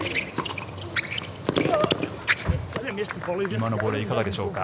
今のボレーはいかがでしょうか。